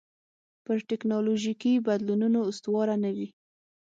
پر ټکنالوژیکي بدلونونو استواره نه وي.